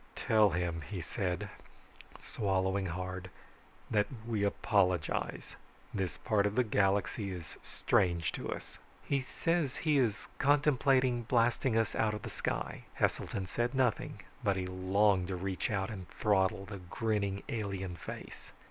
"Tell him," he said, swallowing hard, "that we apologize. This part of the galaxy is strange to us." "He says he is contemplating blasting us out of the sky." Heselton said nothing, but he longed to reach out and throttle the grinning, alien face.